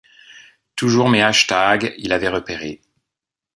Toujours mes hashtags il avait repéré.